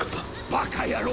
バカ野郎！